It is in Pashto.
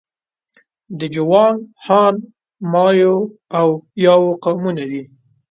د جوانګ، هان، میاو او یاو قومونه دي.